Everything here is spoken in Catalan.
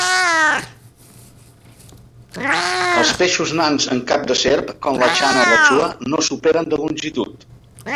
Els peixos nans amb cap de serp, com la "channa gachua", no superen de longitud.